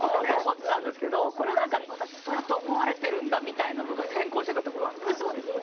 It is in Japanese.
思ってたんですけどこれは何か私そうやって思われてるんだみたいなのが先行してたってことなんですね。